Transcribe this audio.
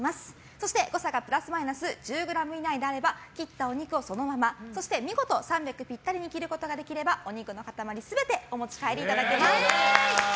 そして誤差がプラスマイナス１０ｇ以内であれば切ったお肉をそのままそして見事３００ｇピッタリに切ることができればお肉の塊全てお持ち帰りいただけます。